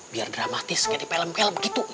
biar dramatis kayak di film film gitu